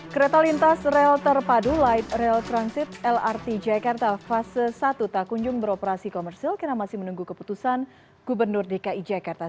kereta lintas rel terpadu light rail transit lrt jakarta fase satu tak kunjung beroperasi komersil karena masih menunggu keputusan gubernur dki jakarta